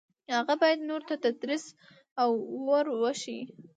هغه باید نورو ته تدریس او ور وښيي.